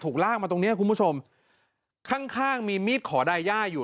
ถูกลากมาตรงนี้คุณผู้ชมข้างมีมีดขอได้ย่ายอยู่